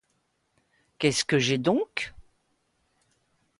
Qu'est-ce que j'ai donc?